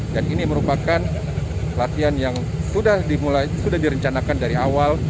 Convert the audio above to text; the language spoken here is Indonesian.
dan ini merupakan latihan yang sudah direncanakan dari awal